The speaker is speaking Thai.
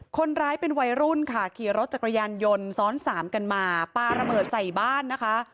คนร้ายเป็นวัยรุ่นค่ะขี่รถจักรยานยนต์ซ้อนสามกันมาปลาระเบิดใส่บ้านนะคะ